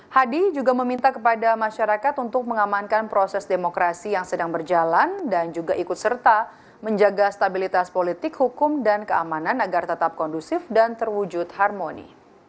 hadi juga meminta kepada masyarakat untuk mengamankan proses demokrasi yang sedang berjalan dan juga ikut serta menjaga stabilitas politik hukum dan keamanan agar tetap kondusif dan terwujud harmoni